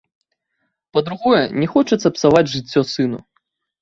Па-другое, не хочацца псаваць жыццё сыну.